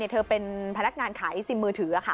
เธอเป็นพนักงานขายซิมมือถือค่ะ